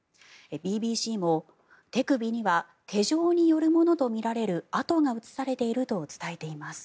ＢＢＣも、手首には手錠によるものとみられる痕が映されていると伝えています。